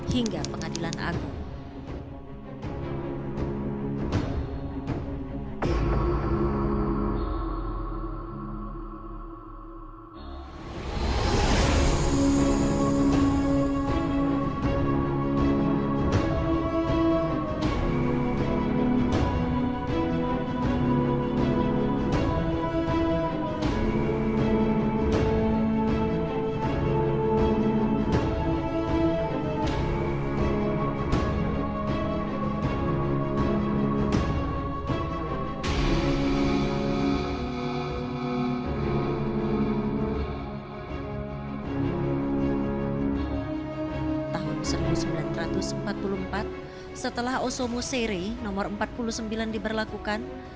hingga pengadilan agung